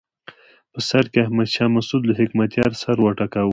په سر کې احمد شاه مسعود له حکمتیار څخه سر وټکاوه.